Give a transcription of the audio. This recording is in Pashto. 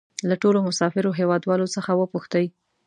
له ټولو مسافرو هېوادوالو څخه وپوښتئ.